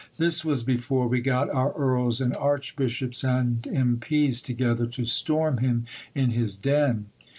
(This was before we got our Earls and Archbishops and M.P.'s together to storm him in his den.)